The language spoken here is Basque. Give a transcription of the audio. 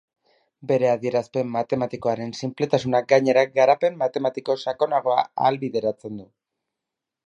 Bere adierazpen matematikoaren sinpletasunak gainera garapen matematiko sakonagoa ahalbideratzen du.